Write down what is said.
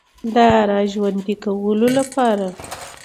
د را ژوندۍ کولو لپاره